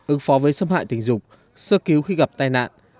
ứng phó với xâm hại tình dục sơ cứu khi gặp tai nạn